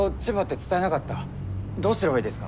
どうすればいいですか？